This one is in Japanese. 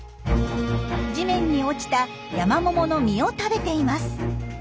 地面に落ちたヤマモモの実を食べています。